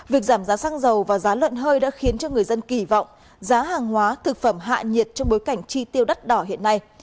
việc giảm giá xăng dầu và giá lợn hơi đã khiến cho người dân kỳ vọng giá hàng hóa thực phẩm hạ nhiệt trong bối cảnh chi tiêu đắt đỏ hiện nay